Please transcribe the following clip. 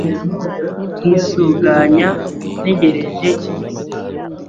Nkisuganya ntegereje ibise